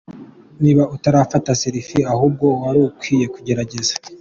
Niba utarafata Selfie ahubwo warukwiye kugerageza!.